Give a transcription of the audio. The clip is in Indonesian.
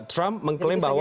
trump mengklaim bahwa